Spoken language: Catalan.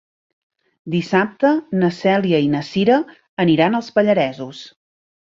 Dissabte na Cèlia i na Cira aniran als Pallaresos.